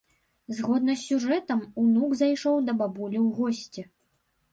Згодна з сюжэтам, унук зайшоў да бабулі ў госці.